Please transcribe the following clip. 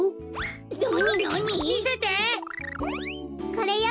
これよ。